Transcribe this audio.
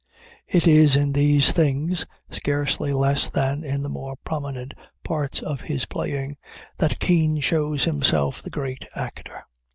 It is in these things, scarcely less than in the more prominent parts of his playing, that Kean shows himself the great actor.